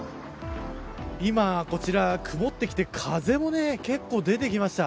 今、こちら曇ってきて風も結構、出てきました。